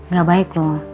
gak baik loh